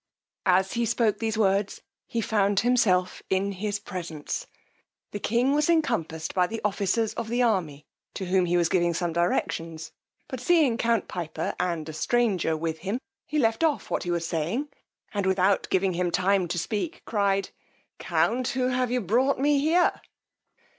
As he spoke these words, he found himself in his presence. The king was encompassed by the officers of the army, to whom he was giving some directions; but seeing count Piper, and a stranger with him, he left off what he was saying, and, without giving him time to speak, cried, Count, who have you brought me here?